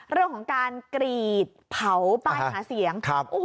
เรื่องของการกรีดเผาป้ายหาเสียง